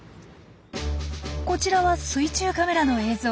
こちらは水中カメラの映像。